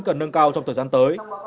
cần nâng cao trong thời gian tới